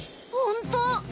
ほんとう